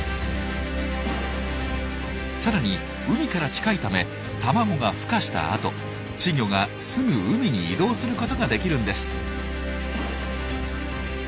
さらに海から近いため卵がふ化した後稚魚がすぐ海に移動することができるんです。